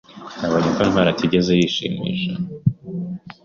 Nabonye ko Ntwali atigeze yishimisha.